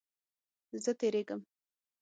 زه تیریږم